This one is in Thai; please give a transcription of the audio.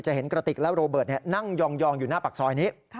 เห็นกระติกและโรเบิร์ตนั่งยองอยู่หน้าปากซอยนี้